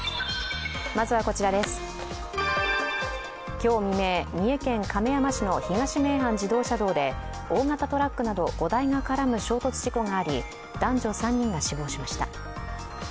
今日未明、三重県亀山市の東名阪自動車道で大型トラックなど５台が絡む衝突事故があり男女３人が死亡しました。